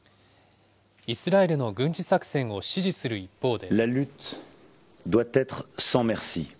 イスラエルの軍事作戦を支持する一方で。